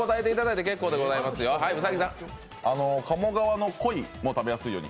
鴨川のこいも食べやすいように。